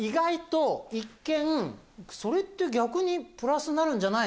一見それって逆にプラスになるんじゃない？